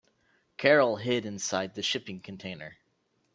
Carol hid inside the shipping container.